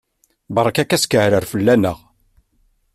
Berka-k askeɛrer fell-aneɣ!